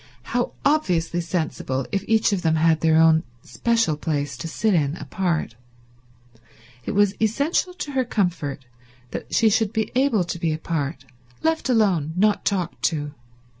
How obviously sensible if each of them had their own special place to sit in apart. It was essential to her comfort that she should be able to be apart, left alone, not talked to.